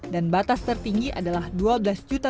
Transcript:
dan batas tertinggi adalah upah jaminan